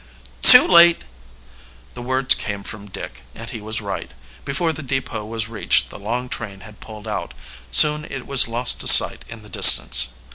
"Too late!" The words came from Dick, and he was right. Before the depot was reached the long train had pulled out. Soon it was lost to sight in the distance.